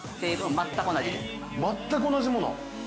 ◆全く同じもの。